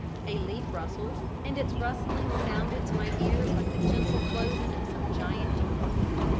A leaf rustled, and its rustling sounded to my ears like the gentle closing of some giant door.